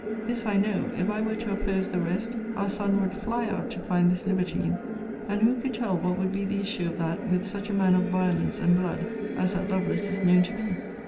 This I know; if I were to oppose the rest, our son would fly out to find this libertine; and who could tell what would be the issue of that with such a man of violence and blood as that Lovelace is known to be?